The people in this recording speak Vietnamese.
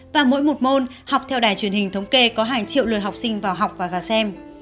và mỗi một môn học theo đài truyền hình thống kê có hàng triệu lượt học sinh vào học và gà xem